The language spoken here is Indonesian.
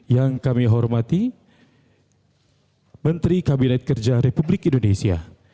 yang kami hormati menteri kabinet kerja republik indonesia